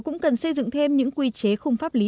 cũng cần xây dựng thêm những quy chế không pháp lý